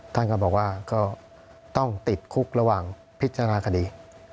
ท่านก็บอกว่าก็ต้องติดคุกระหว่างพิจารณาคดี